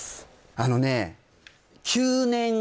あのね